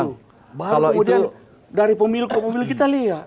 kemudian dari pemilu ke pemilu kita lihat